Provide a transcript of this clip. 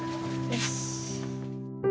よし。